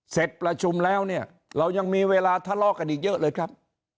เสร็จประชุมแล้วเนี่ยเรายังมีเวลาทะเลาะกันอีกเยอะเลยครับ